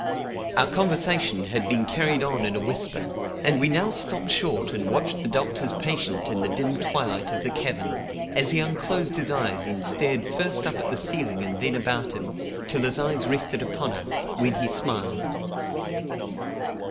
Our conversation had been carried on in a whisper, and we now stopped short and watched the doctor's patient in the dim twilight of the cavern, as he unclosed his eyes and stared first up at the ceiling and then about him, till his eyes rested upon us, when he smiled.